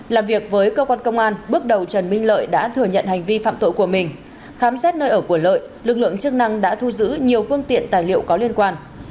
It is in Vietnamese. làm việc với cơ quan công an bước đầu trần minh lợi đã thừa nhận hành vi phạm tội của mình khám xét nơi ở của lợi lực lượng chức năng đã thu giữ nhiều phương tiện tài liệu có liên quan